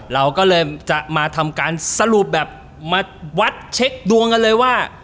เราก็เลยมาทำการสรุปวัดเช็คดูงกันเลยว่า